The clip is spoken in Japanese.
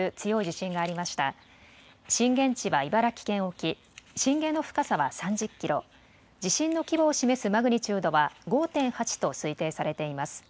震源地は茨城県沖、震源の深さは３０キロ、地震の規模を示すマグニチュードは５．８と推定されています。